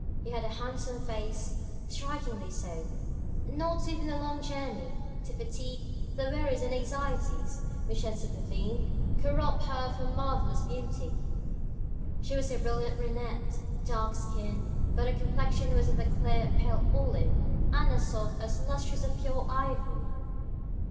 She had a handsome face strikingly so. Not even the long journey, the fatigue, the worries and anxieties which had supervened, could rob her of her marvellous beauty. She was a brilliant brunette, dark skinned; but her complexion was of a clear, pale olive, and as soft, as lustrous as pure ivory.